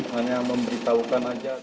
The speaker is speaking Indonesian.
hanya memberitahukan saja